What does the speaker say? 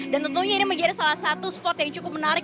dan tentunya ini menjadi salah satu spot yang cukup menarik